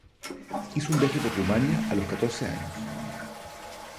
Hizo un viaje por Rumania a los catorce años.